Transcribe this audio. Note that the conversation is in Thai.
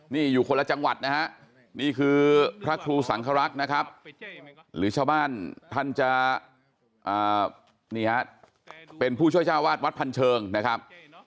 นี่อยู่คนละจังหวัดนะฮะนี่คือพระครูสังครักษ์นะครับหรือชาวบ้านท่านจะนี่ฮะเป็นผู้ช่วยเจ้าวาดวัดพันเชิงนะครับ